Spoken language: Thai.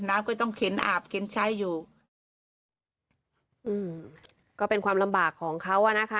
น้ำก็ต้องเข็นอาบเข็นใช้อยู่อืมก็เป็นความลำบากของเขาอ่ะนะคะ